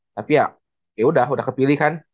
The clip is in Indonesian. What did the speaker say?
tapi ya yaudah udah kepilih kan